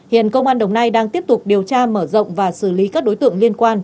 hiện công an đồng nai đang tiếp tục điều tra mở rộng và xử lý các đối tượng liên quan